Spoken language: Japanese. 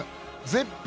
絶品。